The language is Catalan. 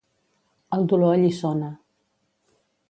El dolor alliçona.